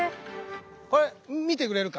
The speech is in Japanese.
これ見てくれるか。